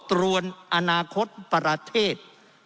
ตรวนอนาคตประเทศ